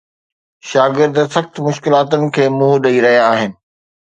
شاگرد سخت مشڪلاتن کي منهن ڏئي رهيا آهن